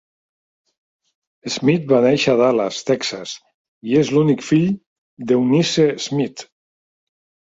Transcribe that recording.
Smith va néixer a Dallas, Texas, i és l'únic fill d'Eunice Smith.